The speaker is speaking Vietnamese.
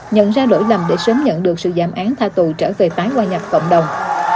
nhận ra lỗi lầm để sớm nhận được sự giảm án tha tù trở về tái hòa nhập cộng đồng